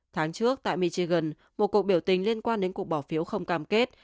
tháng trước tại michigan một cuộc biểu tình liên quan đến cuộc bỏ phiếu không cam kết